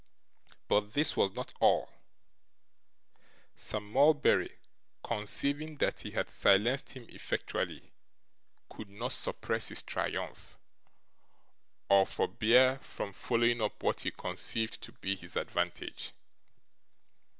But this was not all. Sir Mulberry, conceiving that he had silenced him effectually, could not suppress his triumph, or forbear from following up what he conceived to be his advantage.